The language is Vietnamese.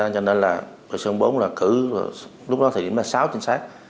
cho nên là bộ sơn bốn là cử lúc đó thời điểm là sáu trình sát